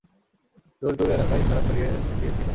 দূর দূর এলাকায় তারা ছড়িয়ে ছিটিয়ে ছিল।